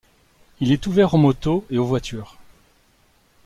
Il est ouvert aux motos et aux voitures.